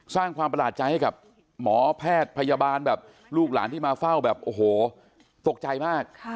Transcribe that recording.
สร้างความประหลาดใจให้กับหมอแพทย์พยาบาลแบบลูกหลานที่มาเฝ้าแบบโอ้โหตกใจมาก